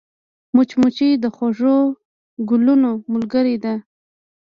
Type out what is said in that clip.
مچمچۍ د خوږو ګلونو ملګرې ده